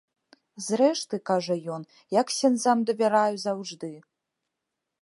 Зрэшты, кажа ён, я ксяндзам давяраю заўжды.